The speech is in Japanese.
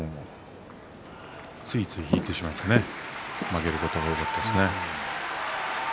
ついつい引いてしまってね負けることが多かったですね。